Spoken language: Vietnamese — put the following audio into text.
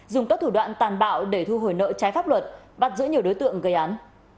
dùng các thủ đoạn tàn bạo để thu hồi nợ trái pháp luật bắt giữ nhiều đối tượng gây án